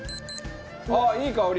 あっいい香り！